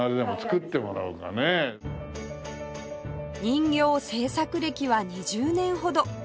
人形制作歴は２０年ほど